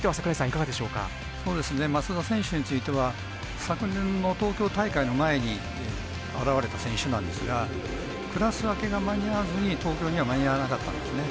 そうですね松田選手については昨年の東京大会の前に現れた選手なんですがクラス分けが間に合わずに東京には間に合わなかったんですね。